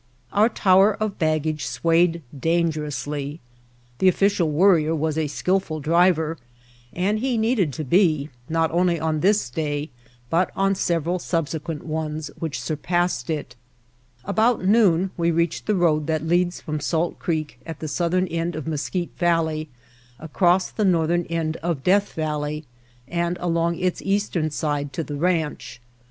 Our tower of baggage swayed dangerously. The Official Worrier was a skill ful driver and he needed to be, not only on this day but on several subsequent ones which sur passed it. About noon we reached the road that leads from Salt Creek at the southern end of Mesquite Valley across the northern end of Death Valley and along its eastern side to the ranch.